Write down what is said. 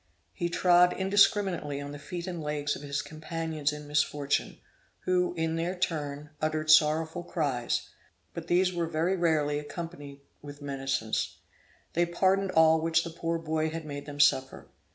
He trod indiscriminately on the feet and legs of his companions in misfortune, who, in their turn, uttered sorrowful cries, but these were very rarely accompanied with menaces; they pardoned all which the poor boy had made them suffer.